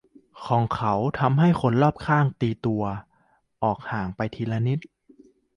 ของเขาทำให้คนรอบข้างต่างตีตัวออกห่างไปทีละนิด